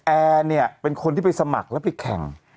แอร์เนี่ยเป็นคนที่ไปสมัครแล้วไปแข่ง